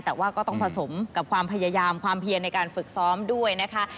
แต่ว่าก็ต้องผสมกับความพยายามความเพียนในการฝึกซ้อมด้วยนะคะ